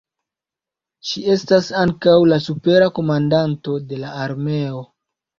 Ŝi estas ankaŭ la supera komandanto de la armeo.